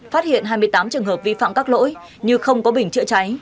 phát hiện hai mươi tám trường hợp vi phạm các lỗi như không có bình chữa cháy